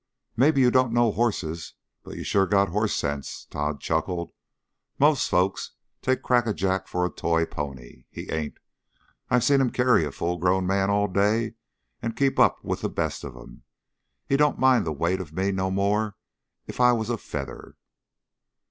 "Maybe you don't know hosses, but you sure got hoss sense." Tod chuckled. "Most folks take Crackajack for a toy pony. He ain't. I've seen him carry a full grown man all day and keep up with the best of 'em. He don't mind the weight of me no more'n if I was a feather.